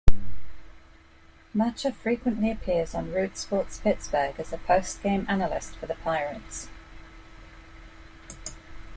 Macha frequently appears on Root Sports Pittsburgh as a postgame analyst for the Pirates.